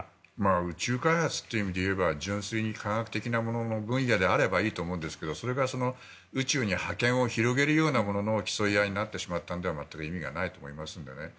宇宙開発という意味でいえば純粋に科学的なものの分野であればいいと思うんですけどそれが宇宙に覇権を広げるようなものの競い合になってしまったのでは全く意味がないと思うので。